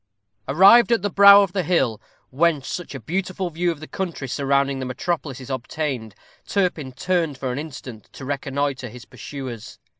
_ Arrived at the brow of the hill, whence such a beautiful view of the country surrounding the metropolis is obtained, Turpin turned for an instant to reconnoitre his pursuers.